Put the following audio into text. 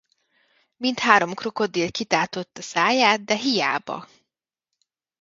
Mindhárom krokodil kitátotta száját, de hiába.